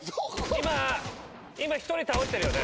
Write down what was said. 今１人倒してるよね？